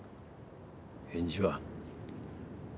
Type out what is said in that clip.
返事は？